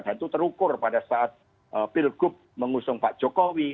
itu terukur pada saat pilgub mengusung pak jokowi